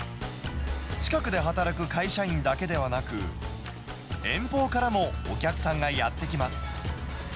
近くで働く会社員だけではなく、遠方からもお客さんがやって来ます。